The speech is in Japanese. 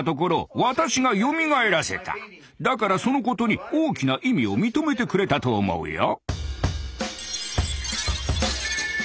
だからそのことに大きな意味を認めてくれたと思うよ。